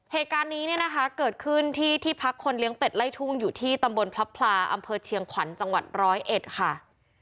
เหตุการณ์นี้เนี่ยนะคะเกิดขึ้นที่ที่พักคนเลี้ยงเป็ดไล่ทุ่งอยู่ที่ตำบลพลับพลาอำเภอเชียงขวัญจังหวัดร้อยเอ็ดค่ะ